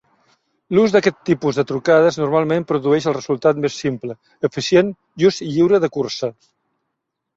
L'ús d'aquest tipus de trucades normalment produeix el resultat més simple, eficient, just i lliure de cursa.